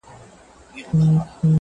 يې ياره شرموه مي مه ته هرڅه لرې ياره ـ